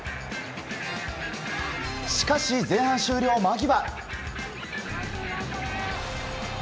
しかし、前半終了間際。